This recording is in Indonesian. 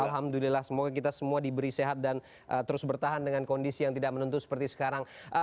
alhamdulillah semoga kita semua diberi sehat dan terus bertahan dengan kondisi yang tidak menentu seperti sekarang